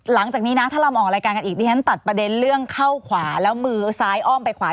หลังจากนี้นะถ้าเรามาออกรายการกันอีกดิฉันตัดประเด็นเรื่องเข้าขวาแล้วมือซ้ายอ้อมไปขวา